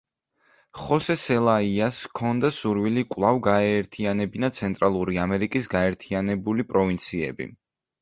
ხოსე სელაიას ჰქონდა სურვილი კვლავ გაეერთიანებინა ცენტრალური ამერიკის გაერთიანებული პროვინციები.